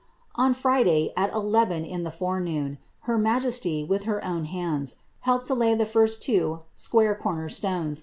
*' On Friday, at eleven in tlie forenoon, her majesty, with her own hands, helped to lay tiie two first square comer stones